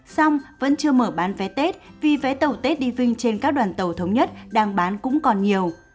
xong vẫn chưa mở bán vé tết vì vé tàu tết đi vinh trên các đoàn tàu thống nhất đang bán cũng còn nhiều